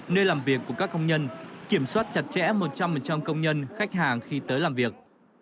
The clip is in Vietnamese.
nơi làm việc của các công nhân kiểm soát chặt chẽ một trăm linh công nhân khách hàng khi tới làm việc